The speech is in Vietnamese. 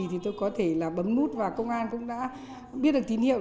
thì tôi có thể bấm nút và công an cũng đã biết được tín hiệu